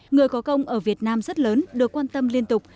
người có công ở việt nam rất lớn được quan tâm liên tục